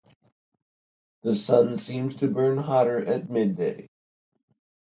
The sun seems to burn hotter at midday.